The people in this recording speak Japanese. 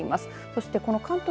そして、この関東